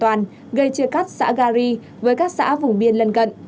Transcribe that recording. với các xã vùng biên lân gận